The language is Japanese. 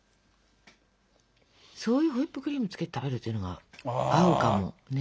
そういうホイップクリームつけて食べるっていうのが合うかもね。